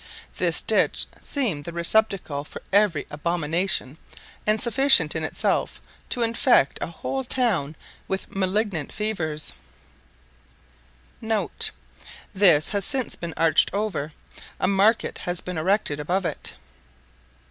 This ditch seemed the receptacle for every abomination, and sufficient in itself to infect a whole town with malignant fevers*. [* This has since been arched over. A market has been erected above it.